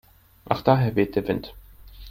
Ach daher weht der Wind.